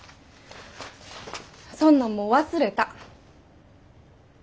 そんなんもう忘れた。